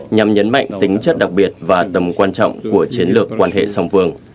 nhằm nhấn mạnh tính chất đặc biệt và tầm quan trọng của chiến lược quan hệ song phương